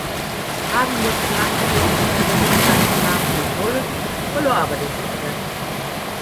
Hagenbeck klagte gegen die Verwendung seines Namens durch Wallace, verlor aber den Prozess.